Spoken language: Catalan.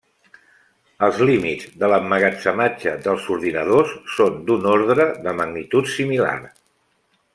Els límits de l'emmagatzematge dels ordinadors són d'un ordre de magnitud similar.